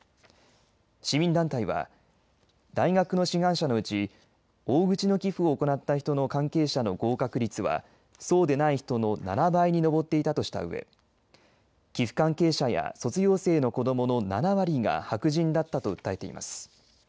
市民団体は大学の志願者のうち大口の寄付を行った人の関係者の合格率はそうでない人の７倍に上っていたとしたうえ寄付関係者や卒業生の子どもの７割が白人だったと訴えています。